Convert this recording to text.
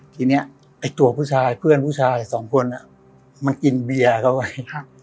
ทีนี้ไอ้ตัวผู้ชายเพื่อนผู้ชายสองคนมันกินเบียร์เข้าไป